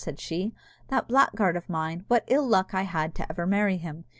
said she; "that blackguard of mine what ill luck I had ever to marry him!